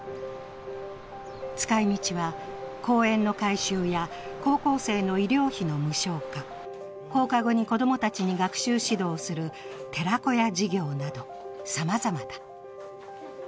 使い道は、公園の改修や高校生の医療費の無償化放課後に子供たちに学習指導する寺子屋事業など、さまざまだ。